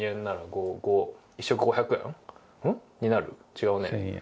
違うね